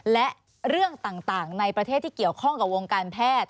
และเรื่องต่างในประเทศที่เกี่ยวข้องกับวงการแพทย์